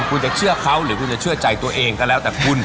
คุณจะเชื่อเขาหรือคุณจะเชื่อใจตัวเองก็แล้วแต่คุณ